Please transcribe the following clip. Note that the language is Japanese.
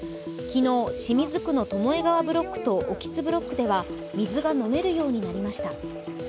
昨日、清水区の巴川ブロックと興津ブロックでは水が飲めるようになりました。